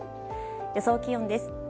予想気温です。